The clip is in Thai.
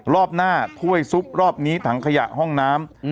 รอบหน้าถ้วยซุปรอบนี้ถังขยะห้องน้ำ